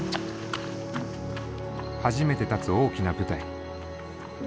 初めて立つ大きな舞台。